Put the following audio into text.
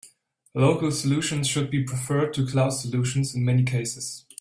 Local solutions should be preferred to cloud solutions in many cases.